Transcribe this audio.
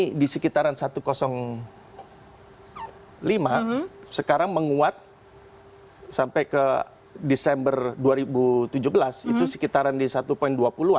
di sekitaran satu ratus lima sekarang menguat sampai ke desember dua ribu tujuh belas itu sekitaran di satu dua puluh an